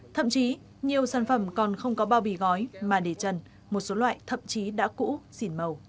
thậm chí nhiều sản phẩm còn không có bao bì gói mà để chân một số loại thậm chí đã cũ xỉn màu